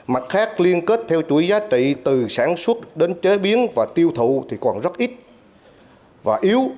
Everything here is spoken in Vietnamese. mặt khác liên kết theo chuỗi giá trị từ sản xuất đến chế biến và tiêu thụ thì còn rất ít và yếu